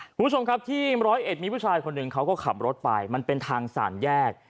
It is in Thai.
คุณผู้ชมครับที่ร้อยเอ็ดมีผู้ชายคนหนึ่งเขาก็ขับรถไปมันเป็นทางสามแยก